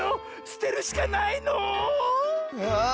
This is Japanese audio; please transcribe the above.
すてるしかないの⁉あ！